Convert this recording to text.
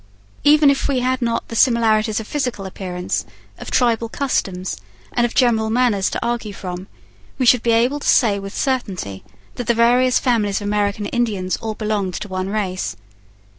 Even if we had not the similarities of physical appearance, of tribal customs, and of general manners to argue from, we should be able to say with certainty that the various families of American Indians all belonged to one race.